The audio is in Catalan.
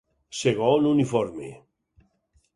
Segon uniforme: